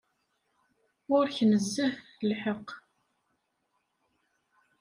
Ɣur-k nezzeh lḥeqq.